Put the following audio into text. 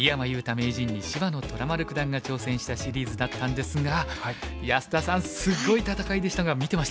名人に芝野虎丸九段が挑戦したシリーズだったんですが安田さんすっごい戦いでしたが見てましたか？